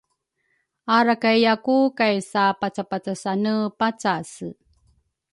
arakayyaku kay sapacapacasane pacase.